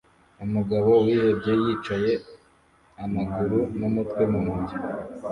Umugabo wihebye yicaye amaguru n'umutwe mu ntoki